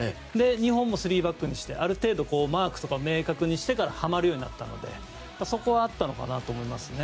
日本も３バックにしてある程度マークとかを明確にしてからはまるようになったのでそこはあったのかなと思いますね。